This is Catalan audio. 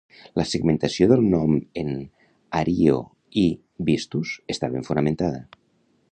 La segmentació del nom en "Ario-" i "-vistus" està ben fonamentada.